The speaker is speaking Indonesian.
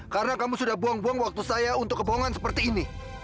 karena kamu sudah buang buang waktu saya untuk kebohongan seperti ini